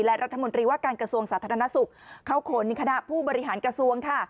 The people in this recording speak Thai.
และรัฐมนตรีว่าการกระทรวงสาธารณสุขเข้าขนคณะผู้บริหารกระทรวงค่ะ